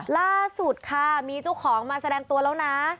ล่าสุดค่ะมีเจ้าของมาแสดงตัวแล้วนะ